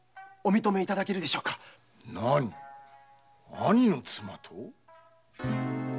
兄の妻と？